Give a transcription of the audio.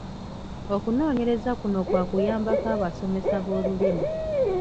Okunoonyereza kuno kwa kuyambako abasomesa b’olulimi.